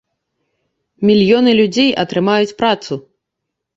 Мільёны людзей атрымаюць працу.